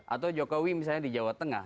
atau jokowi misalnya di jawa tengah